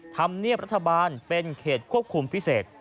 ธรรมเนียบรัฐบาลเป็นเขตควบคุมพิเศษ